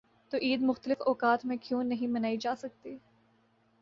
تو عید مختلف اوقات میں کیوں نہیں منائی جا سکتی؟